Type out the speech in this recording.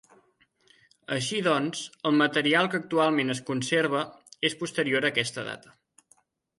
Així doncs, el material que actualment es conserva és posterior a aquesta data.